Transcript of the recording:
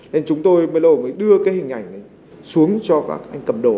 nên chúng tôi mới đưa cái hình ảnh xuống cho các anh cầm đồ